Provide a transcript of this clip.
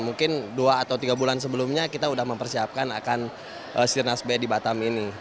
mungkin dua atau tiga bulan sebelumnya kita sudah mempersiapkan akan sirnas b di batam ini